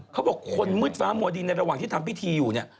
เขาบอกคนมืดฟ้ามัวดินในระหว่างที่ทำพิธีอยู่เนี่ย